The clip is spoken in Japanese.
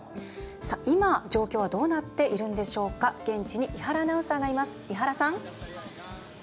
今、状況はどうなっているんでしょうか現地に伊原アナウンサーがいます。